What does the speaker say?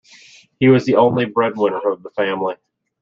He was the only breadwinner of the family.